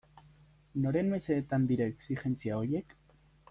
Noren mesedetan dira exijentzia horiek?